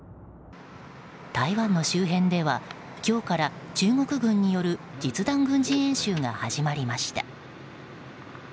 台湾の周辺では今日から中国軍による実弾軍事演習が始まりました。